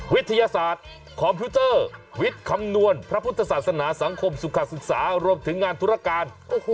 วิทยาศาสตร์คอมพิวเตอร์วิทย์คำนวณพระพุทธศาสนาสังคมสุขศึกษารวมถึงงานธุรการ